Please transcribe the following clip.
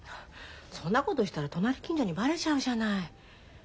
そんなことしたら隣近所にバレちゃうじゃない。